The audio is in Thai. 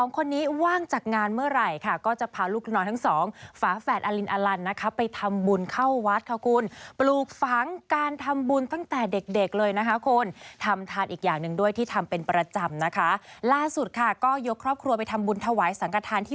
๒คนนี้ว่างจากงานเมื่อไหร่ก็พาลูกน้อยทั้ง๒ฝ่าแฝดอลิน